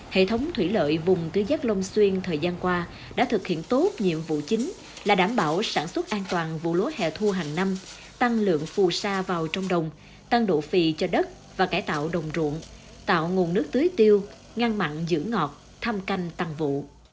hệ thống thủy lợi vùng tứ giác long xuyên thời gian qua đã thực hiện tốt nhiệm vụ chính là đảm bảo sản xuất an toàn vụ lúa hẹ thu hàng năm tăng lượng phù sa vào trong đồng tăng độ phì cho đất và cải tạo đồng ruộng tạo nguồn nước tưới tiêu ngăn mặn giữ ngọt thăm canh tăng vụ